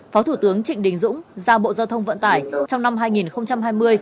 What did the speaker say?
phó thủ tướng trịnh đình dũng giao bộ giao thông vận tải trong năm hai nghìn hai mươi